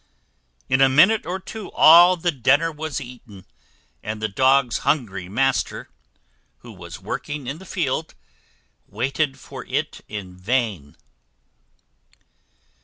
In a minute or two all the dinner was eaten, and the Dog's hungry Master, who was working in the field, waited for it in vain.